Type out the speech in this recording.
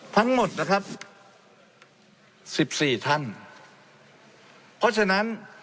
ทั้งหมดนะครับสิบสี่ท่านเพราะฉะนั้น